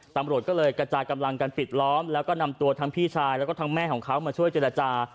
ตำรวจก็เลยกระจายกำลังกันปิดล้อมแล้วก็นำตัวทั้งพี่ชายแล้วก็ทั้งแม่ของเขามาช่วยเจรจา